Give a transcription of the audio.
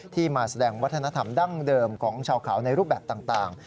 มาแสดงวัฒนธรรมดั้งเดิมของชาวเขาในรูปแบบต่าง